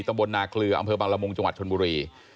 ตำบลนาเคลืออำเภอบังละมุงจังหวัดชนบุรี